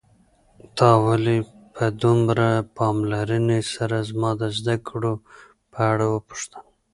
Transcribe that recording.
تا ولې په دومره پاملرنې سره زما د زده کړو په اړه وپوښتل؟